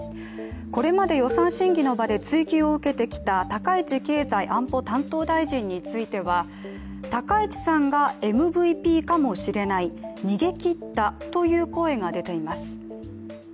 これまで予算審議の場で追及を受けてきた高市経済安保担当大臣については高市さんがＭＶＰかもしれない、逃げ切ったという声が出ています。